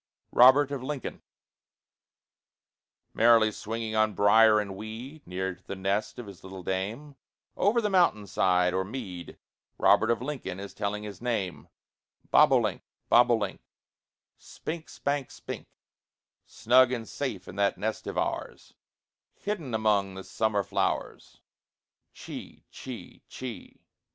ROBERT OF LINCOLN Merrily swinging on brier and weed, Near to the nest of his little dame, Over the mountain side or mead, Robert of Lincoln is telling his name: Bob o' link, bob o' link, Spink, spank, spink; Snug and safe is that nest of ours, Hidden among the summer flowers. Chee, chee, chee.